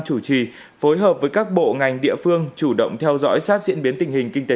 chủ trì phối hợp với các bộ ngành địa phương chủ động theo dõi sát diễn biến tình hình kinh tế